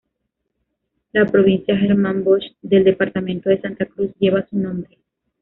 La Provincia Germán Busch del Departamento de Santa Cruz lleva su nombre.